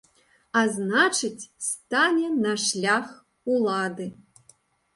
А значыць, стане на шлях улады.